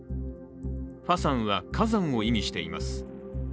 ファサンは火山を意味しています。